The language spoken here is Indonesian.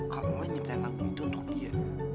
kau mau nyiptain lagu itu untuk dia